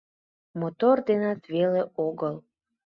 Мотор денат веле огыл